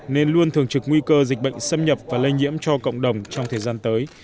nên luôn thường trực nguy cơ dịch bệnh xâm nhập và lây nhiễm cho cộng đồng trong thời gian tới